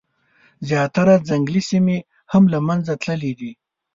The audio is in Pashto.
زیاتره ځنګلي سیمي هم له منځه تللي دي.